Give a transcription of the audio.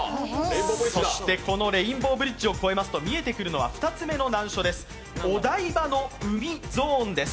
そしてこのレインボーブリッジを超えますと、見えてくるのは２つ目の難所、お台場の海ゾーンです。